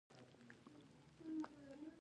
زه د غږ په ثبت کې ستونزه لرم.